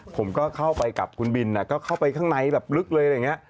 ผมก็เข้าไปกับคุณบินก็เข้าไปข้างในแบบลึกเลยอะไรอย่างนี้